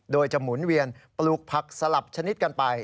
โดยจะหมุนเวียนปลูกผักสลับชนิดกันไป